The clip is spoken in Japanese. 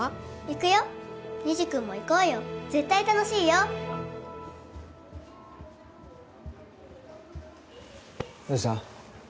行くよ虹君も行こうよ絶対楽しいよどうした？